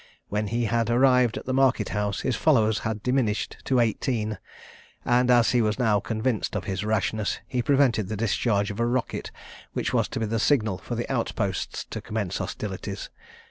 When he had arrived at the market house, his followers had diminished to eighteen, and as he was now convinced of his rashness, he prevented the discharge of a rocket which was to be the signal for the outposts to commence hostilities.